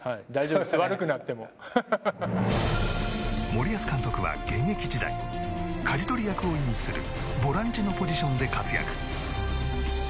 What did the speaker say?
森保監督は現役時代かじ取り役を意味するボランチのポジションで活躍。